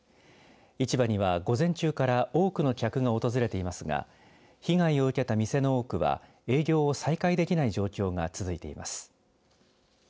市場には午前中から多くの客が訪れていますが被害を受けた店の多くは営業を再開できない状況が続いています。